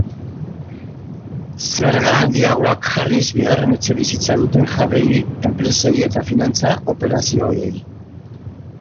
Zerga handiagoak jarriz bigarren etxebizitza duten jabeei, enpresei eta finantza operazioei.